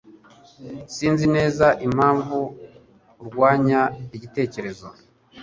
Sinzi neza impamvu arwanya igitekerezo.